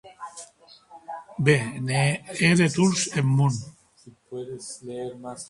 Be ne hè de torns eth mon!